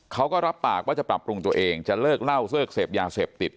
เขาก็รับปากว่าจะปรับปรุงตัวเองจะเลิกเล่าเลิกเสพยาเสพติด